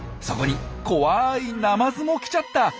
そこに怖いナマズも来ちゃった！